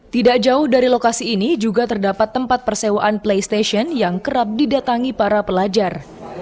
tidak jauh dari lokasi ini juga terdapat tempat persewaan playstation yang kerap didatangi para pelajar